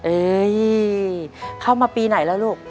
เอ้ยเข้ามาปีไหนแล้วลูก